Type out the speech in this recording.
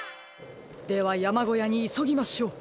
ではやまごやにいそぎましょう。